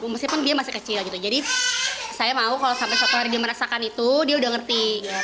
meskipun dia masih kecil gitu jadi saya mau kalau sampai suatu hari dia merasakan itu dia udah ngerti